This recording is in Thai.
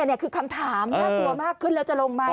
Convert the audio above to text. นี่คือคำถามน่ากลัวมากขึ้นแล้วจะลงไหม